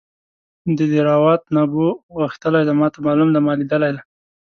د دیراوت نبو غښتلی دی ماته معلوم دی ما لیدلی دی.